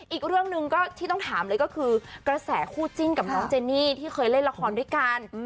อีกเรื่องหนึ่งก็ที่ต้องถามเลยก็คือกระแสคู่จิ้นกับน้องเจนี่ที่เคยเล่นละครด้วยกัน